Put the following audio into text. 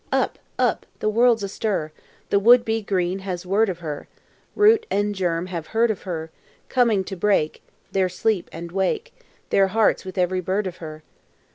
Up! up! The world's astir; The would be green has word of her; Root and germ have heard of her, Coming to break Their sleep and wake Their hearts with every bird of her.